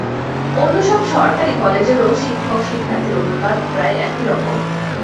অন্য সব সরকারি কলেজেরও শিক্ষক শিক্ষার্থীর অনুপাত প্রায় একই রকম।